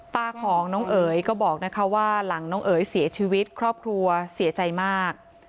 ป้าของน้องเอ๋ยก็บอกนะคะว่าหลังน้องเอ๋ยเสียชีวิตครอบครัวเสียใจมาก